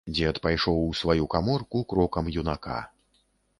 Дзед пайшоў у сваю каморку крокам юнака.